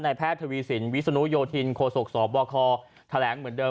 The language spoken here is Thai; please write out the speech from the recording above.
แพทย์ทวีสินวิศนุโยธินโคศกสบคแถลงเหมือนเดิ